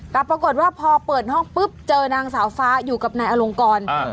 แต่ปรากฏว่าพอเปิดห้องปุ๊บเจอนางสาวฟ้าอยู่กับนายอลงกร